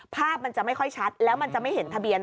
ภาพมันจะไม่ค่อยชัดแล้วมันจะไม่เห็นทะเบียน